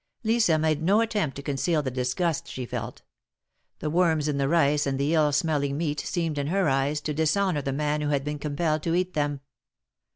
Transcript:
Lisa made no attempt to conceal the disgust she felt ; the worms in the rice, and the ill smelling meat, seemed in her eyes, to dishonor the man who had been compelled to eat them.